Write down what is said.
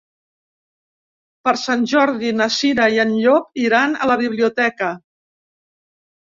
Per Sant Jordi na Cira i en Llop iran a la biblioteca.